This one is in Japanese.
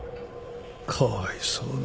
かわいそうに。